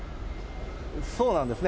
そうなんですね。